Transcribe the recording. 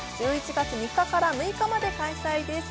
１１月３日から６日まで開催です